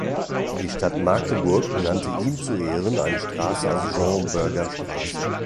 Die Stadt Magdeburg benannte ihm zu Ehren eine Straße als Jean-Burger-Straße.